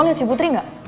riz lo liat si putri gak